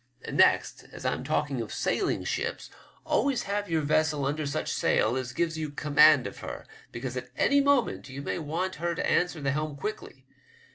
Next, as I'm talking of sailing ships, always have your vessel under such sail as gives you command of her, because at any moment you may want her to answer the helm quickly.